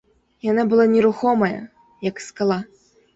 Яна была нерухомая, як скала.